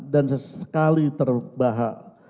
dan sesekali terbahak